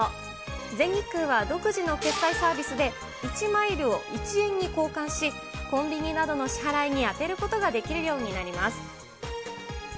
全日空は独自の決済サービスで、１マイルを１円に交換し、コンビニなどの支払いに充てることができるようになります。